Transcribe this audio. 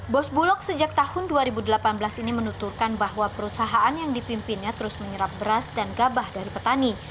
bos bulog sejak tahun dua ribu delapan belas ini menuturkan bahwa perusahaan yang dipimpinnya terus menyerap beras dan gabah dari petani